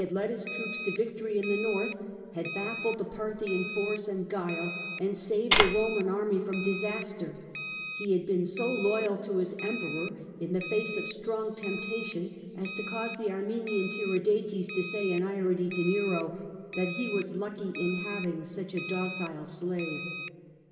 led his troops to victory in the North, had baffled the Parthian force and guile, and saved a Roman army from disaster ; he had been so loyal to his Emperor in the face of strong temptation as to cause the Armenian Tiridates to say in irony to Nero that he was lucky in having such a docile slave.